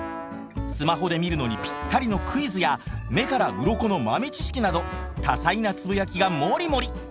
スマホで見るのにピッタリのクイズや目からうろこの豆知識など多彩なつぶやきがモリモリ！